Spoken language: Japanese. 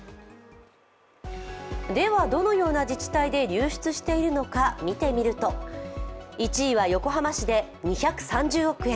では、どのような自治体で流出しているのか見てみると１位は横浜市で２３０億円。